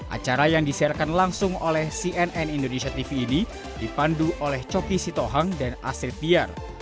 acara yang disiarkan langsung oleh cnn indonesia tv ini dipandu oleh coki sitohang dan asrid biar